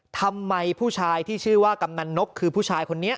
ทำไมผู้ชายที่ชื่อว่ากำนันนกคือผู้ชายคนนี้